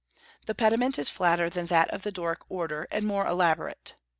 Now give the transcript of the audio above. The pediment is flatter than that of the Doric order, and more elaborate.